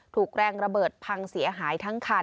ถูกแรงระเบิดพังเสียหายทั้งคัน